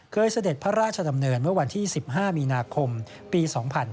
เสด็จพระราชดำเนินเมื่อวันที่๑๕มีนาคมปี๒๕๕๙